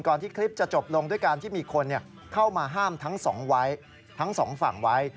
ก่อนที่คลิปจะจบลงด้วยการที่มีคนเข้ามาห้ามทั้งสองฝั่งไว้